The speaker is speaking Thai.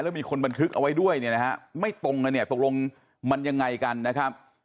แล้วมีคนบันทึกเอาไว้ด้วยเนี่ยนะฮะไม่ตรงกันเนี่ยตกลงมันยังไงกันนะครับ